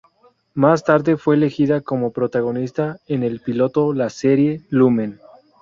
Más tarde fue elegida como protagonista en el piloto la serie "Lumen".